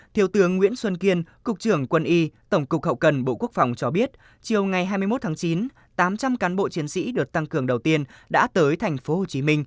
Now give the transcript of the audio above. thiếu tướng nguyễn xuân kiên cục trưởng quân y tổng cục hậu cần bộ quốc phòng cho biết chiều ngày hai mươi một tháng chín tám trăm linh cán bộ chiến sĩ được tăng cường đầu tiên đã tới tp hcm